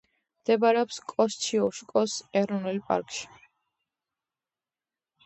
მდებარეობს კოსციუშკოს ეროვნული პარკში.